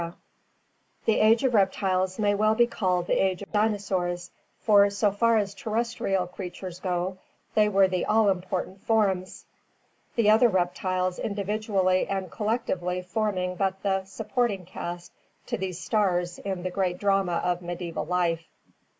DINOSAURS The Age of Reptiles may well be called the Age of Dinosaurs, for so far as terrestrial creatures go they were the all important forms, the other reptiles individually and collectively forming but the supporting caste to these stars in the great drama of medieval life.